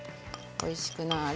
おいしくなあれ。